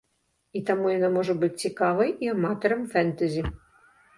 І таму яна можа быць цікавай і аматарам фэнтэзі.